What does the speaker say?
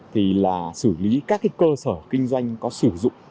thì là xử lý các cái cơ sở kinh doanh có sử dụng